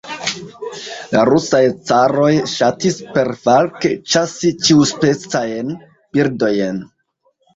La rusaj caroj ŝatis perfalke ĉasi ĉiuspecajn birdojn.